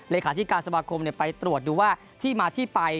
เลขาธิการสมาคมไปตรวจดูว่าที่มาที่ไป